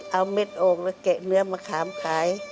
เอาเม็ดโอ่งแล้วแกะเนื้อมะขามขาย